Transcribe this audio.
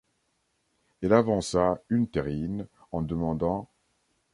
Elle avança une terrine, en demandant :